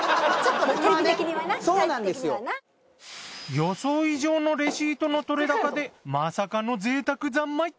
予想以上のレシートの取れ高でまさかの贅沢三昧。